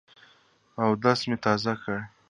اودس مي تازه کړ .